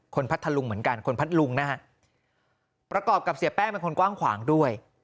พัทธลุงเหมือนกันคนพัทธลุงนะฮะประกอบกับเสียแป้งเป็นคนกว้างขวางด้วย